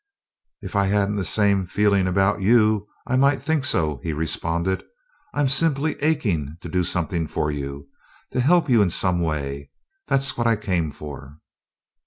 "If I hadn't the same feeling about you, I might think so," he responded. "I'm simply aching to do something for you to help you in some way that's what I came for."